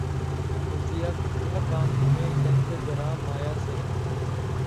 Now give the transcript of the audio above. رضیہؔ کیا کام ہمیں گنج گراں مایہ سے